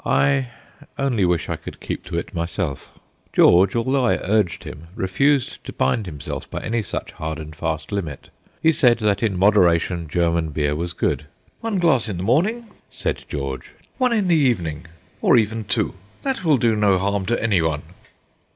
I only wish I could keep to it myself. George, although I urged him, refused to bind himself by any such hard and fast limit. He said that in moderation German beer was good. "One glass in the morning," said George, "one in the evening, or even two. That will do no harm to anyone."